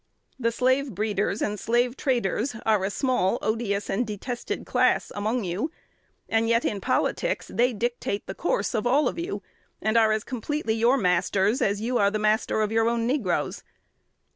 The slave breeders and slave traders are a small, odious, and detested class among you; and yet in politics they dictate the course of all of you, and are as completely your masters as you are the master of your own negroes.